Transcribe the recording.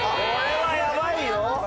これはやばいよえっ？